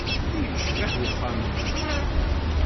I yecbeḥ uxxam-nni!